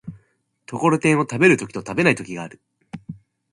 ところてんを食べる時と食べない時がある。